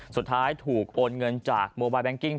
สุดท้ายถูกโอนเงินจากโมบายแบงกิ้ง